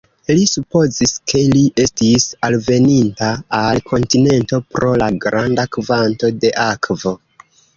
Li supozis, ke li estis alveninta al kontinento pro la granda kvanto de akvo.